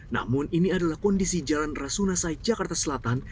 namun ini adalah kondisi jalan rasunasai jakarta selatan